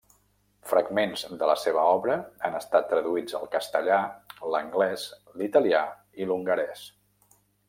Fragments de la seva obra han estat traduïts al castellà, l'anglès, l'italià i l'hongarès.